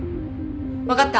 わかった。